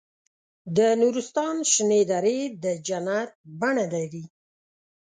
د نورستان شنې درې د جنت بڼه لري.